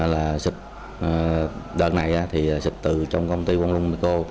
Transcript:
là xịt đợt này thì xịt từ trong công ty konglung meiko